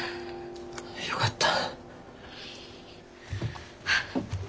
よかった。